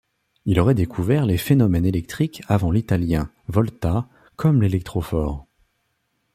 Il aurait découvert les phénomènes électriques avant l'italien Volta comme l'électrophore.